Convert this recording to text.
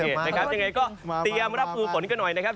ยังไงก็เตรียมรับมือฝนกันหน่อยนะครับ